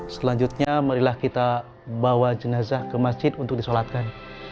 selanjutnya marilah kita bawa jenazah ke masjid untuk disolatkan